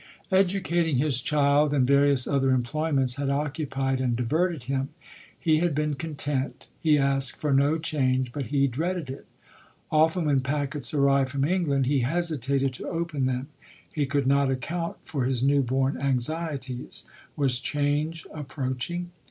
Educating his child, and various other em ployments, had occupied and diverted him. He had been content ; he asked for no change, but he dreaded it. Often when packets arrived from England he hesitated to open LODORE. 47 them. He could not account for his new born anxieties. Was change approaching